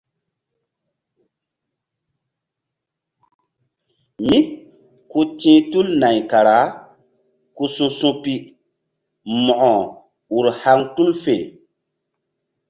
Mí ku ti̧h tul nay kara ku su̧su̧pi mo̧ko ur haŋ tul fe.